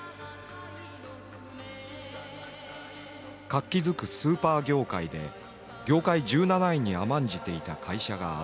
活気づくスーパー業界で業界１７位に甘んじていた会社があった。